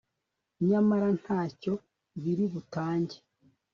nyamara ntacyo biri butange